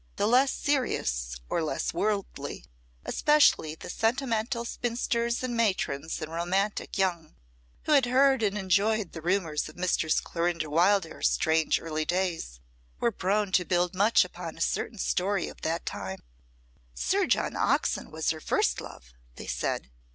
The less serious, or less worldly, especially the sentimental spinsters and matrons and romantic young, who had heard and enjoyed the rumours of Mistress Clorinda Wildairs' strange early days, were prone to build much upon a certain story of that time. "Sir John Oxon was her first love," they said.